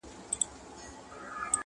o احساس هم کوي,